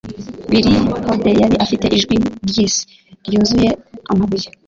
Billie Holliday yari afite ijwi ryisi, ryuzuye amabuye.